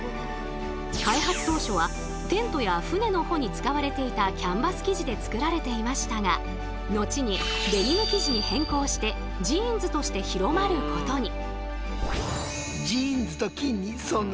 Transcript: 開発当初はテントや船の帆に使われていたキャンバス生地で作られていましたが後にデニム生地に変更してジーンズとして広まることに。